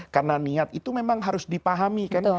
karena niat itu memang harus dipahami kan